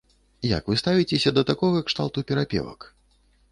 Як вы ставіцеся да такога кшталту перапевак?